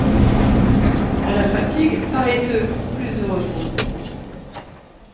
À la fatigue, paresseux! plus de repos.